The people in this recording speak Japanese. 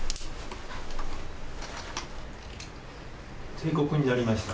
定刻になりました。